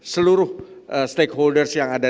seluruh stakeholders yang ada